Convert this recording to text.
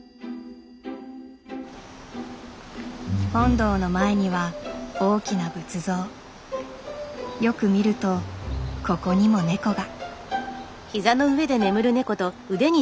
本堂の前には大きな仏像。よく見るとここにもネコが。